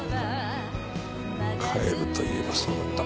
帰るといえばそうだった。